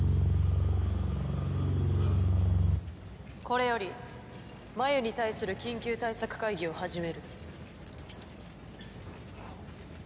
これより繭に対する緊急対策会議を始める。